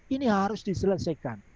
ini harus diselesaikan